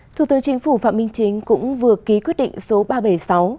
thủ tướng chính phủ phạm minh chính cũng vừa ký quyết định số ba trăm bảy mươi sáu